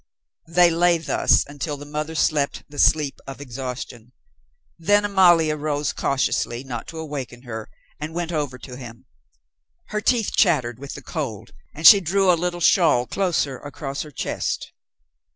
They lay thus until the mother slept the sleep of exhaustion; then Amalia rose cautiously, not to awaken her, and went over to him. Her teeth chattered with the cold, and she drew a little shawl closer across her chest.